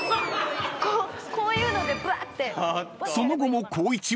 こういうのでぶわって。